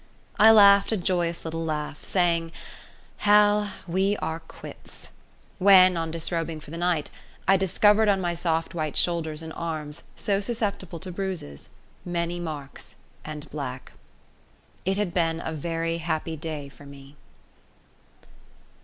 I laughed a joyous little laugh, saying, "Hal, we are quits," when, on disrobing for the night, I discovered on my soft white shoulders and arms so susceptible to bruises many marks, and black. It had been a very happy day for me.